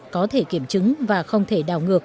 có thể kiểm chứng và không thể đào ngược